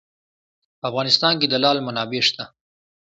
په افغانستان کې د لعل منابع شته.